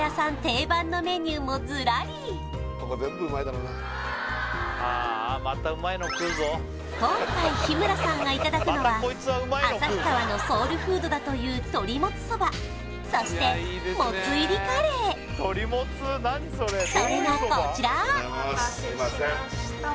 定番のメニューもずらり今回日村さんがいただくのは旭川のソウルフードだという鳥もつそばそしてもつ入りカレーすいませんお待たせしました